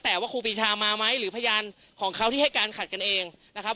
แต่ว่าครูปีชามาไหมหรือพยานของเขาที่ให้การขัดกันเองนะครับ